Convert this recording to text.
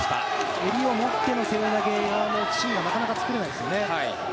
襟を持っての背負い投げのシーンがなかなか作れないですね。